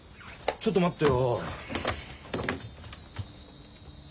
ちょっと待ってよ。